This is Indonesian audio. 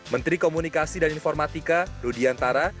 menteri komunikasi dan informatika rudiantara